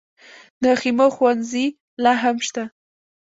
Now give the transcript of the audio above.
د خیمو ښوونځي لا هم شته؟